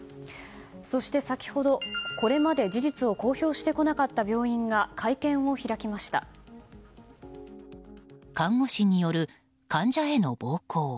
そして先ほど、これまで事実を公表してこなかった看護師による患者への暴行。